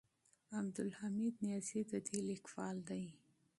عبدالحمید نیازی د دې لیکوال دی.